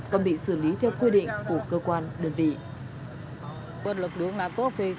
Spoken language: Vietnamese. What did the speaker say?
còn bị xử lý theo quy định của cơ quan đơn vị